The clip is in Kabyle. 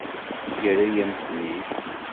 Yerra-yam-ten-id.